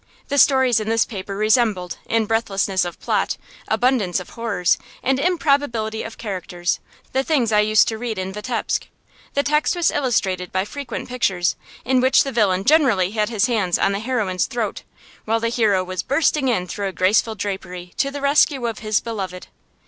The stories in this paper resembled, in breathlessness of plot, abundance of horrors, and improbability of characters, the things I used to read in Vitebsk. The text was illustrated by frequent pictures, in which the villain generally had his hands on the heroine's throat, while the hero was bursting in through a graceful drapery to the rescue of his beloved.